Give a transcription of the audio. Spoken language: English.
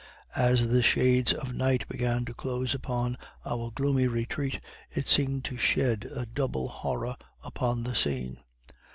As the shades of night began to close upon our gloomy retreat, it seemed to shed a double horror upon the scene.